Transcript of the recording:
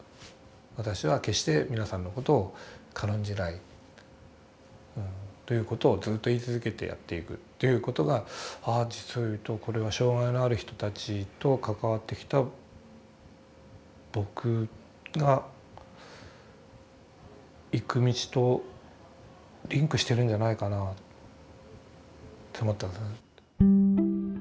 私は決して皆さんのことを軽んじないということをずっと言い続けてやっていくということがああ実を言うとこれは障害のある人たちと関わってきた僕が行く道とリンクしてるんじゃないかなって思ったんですね。